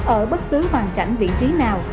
ở bất cứ hoàn cảnh vị trí nào